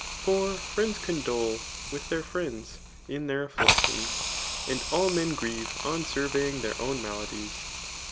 For friends condole [with their friends] in their afflictions ; and all men grieve on surveymg their own mabdies.